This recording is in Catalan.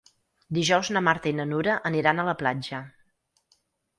Dijous na Marta i na Nura aniran a la platja.